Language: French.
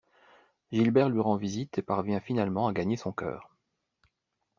Gilbert lui rend visite et parvient finalement à gagner son cœur.